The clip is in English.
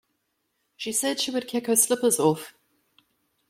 She said she would kick her slippers off.